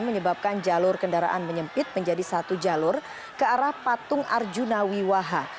menyebabkan jalur kendaraan menyempit menjadi satu jalur ke arah patung arjuna wiwaha